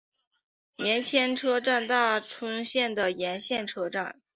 千绵车站大村线的沿线车站。